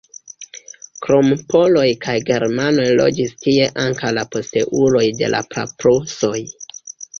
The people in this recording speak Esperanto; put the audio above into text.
Krom poloj kaj germanoj loĝis tie ankaŭ la posteuloj de la praprusoj.